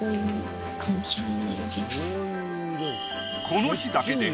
この日だけで。